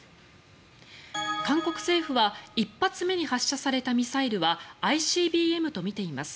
韓国政府は１発目に発射されたミサイルはＩＣＢＭとみています。